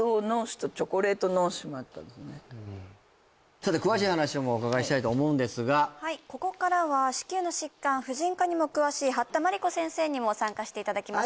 さて詳しい話もお伺いしたいと思うんですがここからは子宮の疾患婦人科にも詳しい八田真理子先生にも参加していただきます